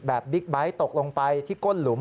บิ๊กไบท์ตกลงไปที่ก้นหลุม